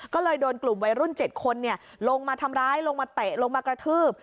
ก็เลยโดนกลุ่มวัยรุ่น๗คนลงมาทำร้ายลงมาเตะลงมากระทืบ